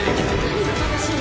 「何が正しいの？」